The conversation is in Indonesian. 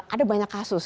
ada banyak kasus